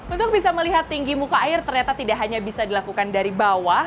untuk bisa melihat tinggi muka air ternyata tidak hanya bisa dilakukan dari bawah